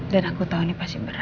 dan aku tahu ini pasti berat